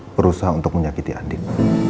berusaha untuk menyakiti andin